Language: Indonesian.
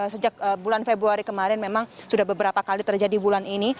sejak bulan februari kemarin memang sudah beberapa kali terjadi bulan ini